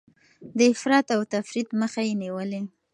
د افراط او تفريط مخه يې نيولې.